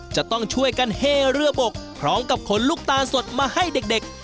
จะต้องช่วยกันเฮเรือบกพร้อมกับขนลูกตาลสดมาให้เด็ก